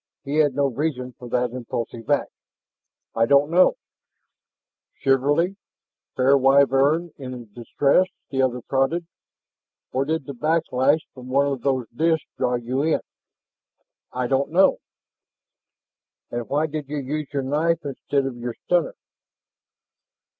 He had no reason for that impulsive act. "I don't know " "Chivalry? Fair Wyvern in distress?" the other prodded. "Or did the back lash from one of those disks draw you in?" "I don't know " "And why did you use your knife instead of your stunner?"